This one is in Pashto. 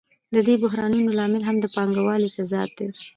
د دې بحرانونو لامل هم د پانګوالۍ تضاد دی